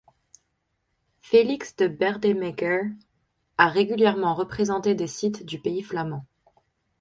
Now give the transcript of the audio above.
Félix De Baerdemaecker a régulièrement représenté des sites du pays flamand.